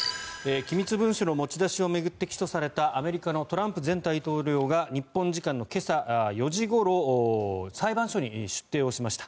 機密文書の持ち出しを巡って起訴されたアメリカのトランプ前大統領が日本時間の今朝４時ごろ裁判所に出廷をしました。